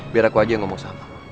biar aku aja yang ngomong sama